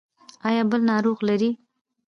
ایا بل ناروغ لرئ؟